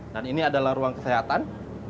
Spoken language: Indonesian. dan ini adalah ruang kesehatan